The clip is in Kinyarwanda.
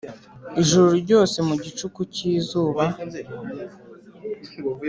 ijuru ryose mu gicuku cy'izuba,